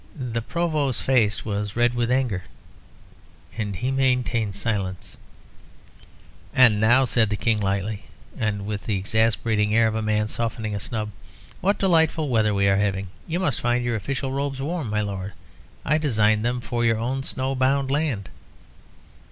The Provost's face was red with anger, and he maintained silence. "And now," said the King, lightly, and with the exasperating air of a man softening a snub; "what delightful weather we are having! You must find your official robes warm, my Lord. I designed them for your own snow bound land."